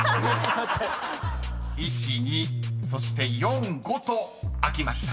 ［１・２そして４・５と開きました］